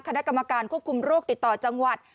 คณะกรรมการควบคุมโรคติดต่อจังหวัด